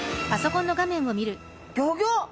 ギョギョッ！